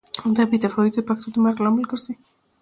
دا بې تفاوتي د پښتو د مرګ لامل ګرځي.